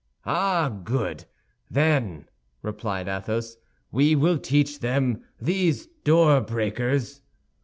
"Ah, good, then," replied Athos, "we will teach them, these door breakers!"